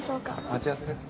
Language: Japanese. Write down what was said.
待ち合わせです。